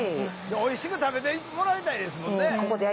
おいしく食べてもらいたいですもんね。